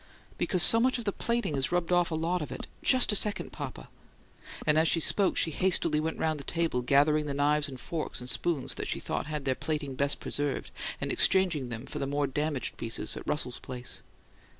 "Because so much of the plating has rubbed off a lot of it. JUST a second, papa." And as she spoke she hastily went round the table, gathering the knives and forks and spoons that she thought had their plating best preserved, and exchanging them for more damaged pieces at Russell's place.